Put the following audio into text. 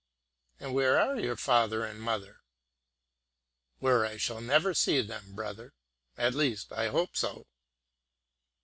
"And where are your father and mother?" "Where I shall never see them, brother; at least, I hope so."